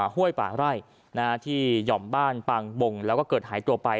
ห้วยป่าไร่ที่หย่อมบ้านปางบงแล้วก็เกิดหายตัวไป